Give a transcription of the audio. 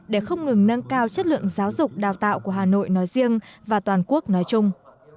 để không ngừng nâng cao chất lượng giáo dục đào tạo của hà nội nói riêng và toàn quốc nói chung